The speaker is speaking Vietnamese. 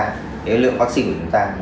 cái lượng vaccine của chúng ta